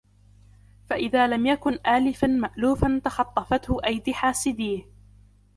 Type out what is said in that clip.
فَإِذَا لَمْ يَكُنْ آلِفًا مَأْلُوفًا تَخَطَّفَتْهُ أَيْدِي حَاسِدِيهِ